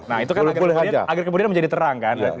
nah itu kan agar kemudian menjadi terang kan